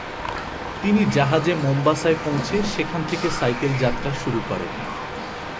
তিনি জাহাজে মোম্বাসায় পৌঁছে সেখান থেকে সাইকেল যাত্রা শুরু করেন।